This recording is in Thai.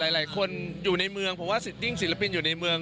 หลายคนอยู่ในเมืองผมว่าฟิตติ้งศิลปินอยู่ในเมือง